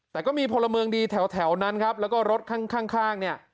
แต่ก็มีพลเมืองดีแถวนั้นครับแล้วก็รถข้างข้างเนี่ย